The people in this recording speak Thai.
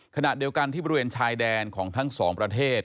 ขณะเดียวกันที่บริเวณชายแดนของทั้งสองประเทศ